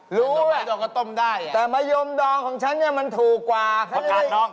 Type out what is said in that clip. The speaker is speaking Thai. เพราะว่าอยากกินเปรี้ยวมันก็ต้อง